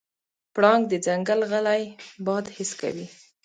پړانګ د ځنګل غلی باد حس کوي.